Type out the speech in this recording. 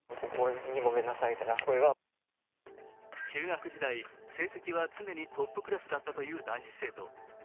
中学時代、成績は常にトップクラスだったという男性生徒。